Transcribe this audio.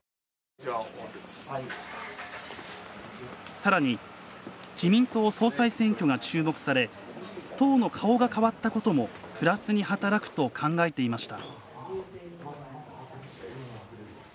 さらに、自民党総裁選挙が注目され党の顔が替わったこともプラスに働くと考えていました。